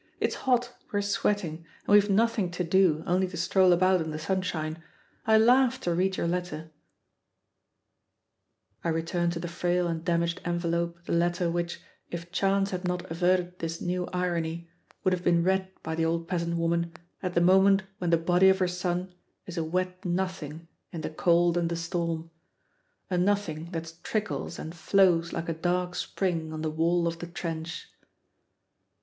It's hot, we're sweating, and we've nothing to do only to stroll about in the sunshine. I laughed to read your letter " I return to the frail and damaged envelope the letter which, if chance had not averted this new irony, would have been read by the old peasant woman at the moment when the body of her son is a wet nothing in the cold and the storm, a nothing that trickles and flows like a dark spring on the wall of the trench.